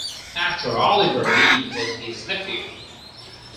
Actor Oliver Reed was his nephew.